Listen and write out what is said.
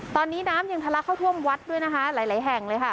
ตอนนี้น้ำยังทะลักเข้าท่วมวัดด้วยนะคะหลายแห่งเลยค่ะ